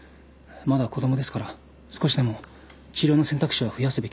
まだ子供ですから少しでも治療の選択肢は増やすべきかと。